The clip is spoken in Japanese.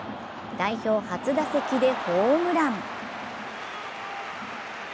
代表初打席でホームラン。